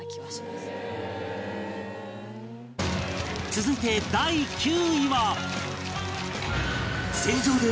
続いて第９位は